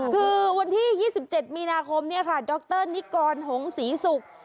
คือวันที่๒๗มีนาคมดรนิกรหงศรีศุกร์